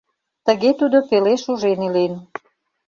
Тыге тудо пеле шужен илен.